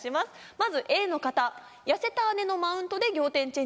まずＡの方「痩せた姉のマウントで仰天チェンジ」。